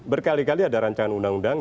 berkali kali ada rancangan undang undang